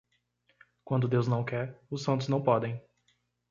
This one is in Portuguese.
Quando Deus não quer, os santos não podem.